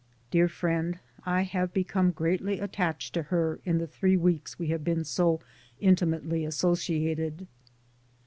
Dear friend, I have be come greatly attached to her, in the three weeks we have been so intimately associated.